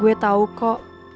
gue tau kok